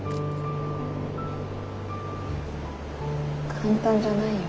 簡単じゃないよ。